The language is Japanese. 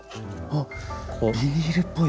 あっビニールっぽい？